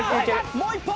もう１本！